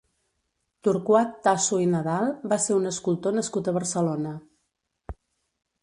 Torquat Tasso i Nadal va ser un escultor nascut a Barcelona.